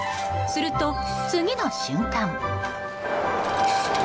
すると、次の瞬間。